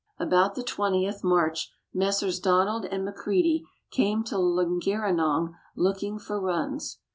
About the 20th March Messrs. Donald and Macredie came to Longerenong looking for runs.